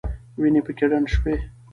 وینې پکې ډنډ شوې.